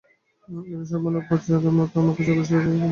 একটা সামান্য প্রজার মতো আমাকে বিচারসভায় আহ্বান!